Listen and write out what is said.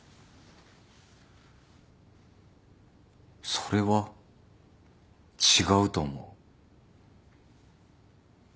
それは違うと思う。